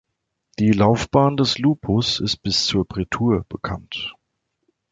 Die Laufbahn des Lupus ist bis zur Prätur bekannt.